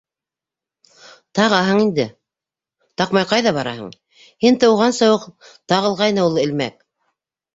Тағаһың инде... таҡмай ҡайҙа бараһың? һин тыуғансы уҡ тағылғайны ул элмәк.